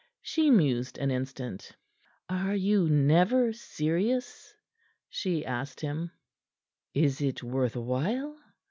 She mused an instant. "Are you never serious?" she asked him. "Is it worth while?"